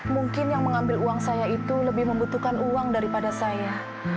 mungkin yang mengambil uang saya itu lebih membutuhkan uang daripada saya